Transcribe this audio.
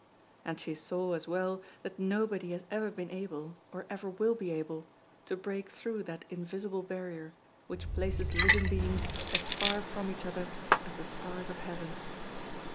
And she saw as well that nobody has ever been able, or ever will be able, to break through that invisible barrier which places living beings as far from each other as the stars of heaven.